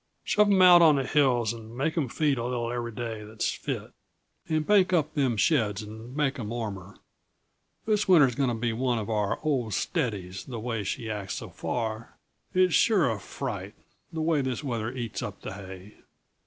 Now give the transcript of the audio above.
Shove 'em out on the hills and make 'em feed a little every day that's fit, and bank up them sheds and make 'em warmer. This winter's going to be one of our old steadies, the way she acts so far. It's sure a fright, the way this weather eats up the hay."